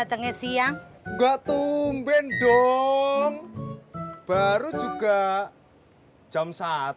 enggak tumben dong baru juga jam satu